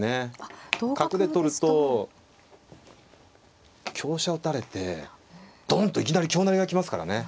角で取ると香車打たれてドンッといきなり香成りが来ますからね。